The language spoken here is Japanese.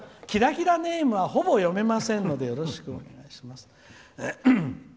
キラキラネームはほぼ読めませんのでよろしくお願いします。